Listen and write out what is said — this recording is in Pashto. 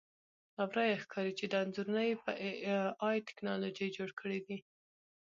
له ورایه ښکاري چې دا انځورونه یې په اې ائ ټکنالوژي جوړ کړي دي